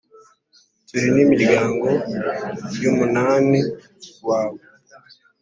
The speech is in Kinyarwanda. turi n’imiryango y’umunani wawe.